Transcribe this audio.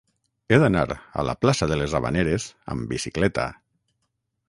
He d'anar a la plaça de les Havaneres amb bicicleta.